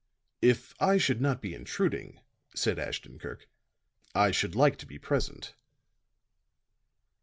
"If I should not be intruding," said Ashton Kirk, "I should like to be present."